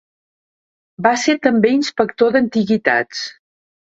Va ser també inspector d'antiguitats.